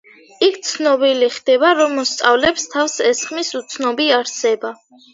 იქ ცნობილი ხდება, რომ მოსწავლეებს თავს ესხმის უცნობი არსება.